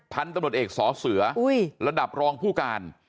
พันธุ์ตำรวจเอกสอเสือระดับรองผู้การ